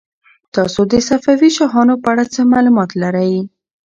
تاسو د صفوي شاهانو په اړه څه معلومات لرئ؟